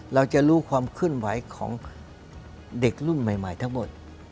เราจะรู้ความเคลื่อนไหวของเด็กรุ่นใหม่ทั้งหมด